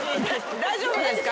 大丈夫ですか？